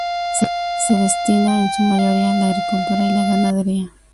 Se destina en su mayoría a la agricultura y la ganadería.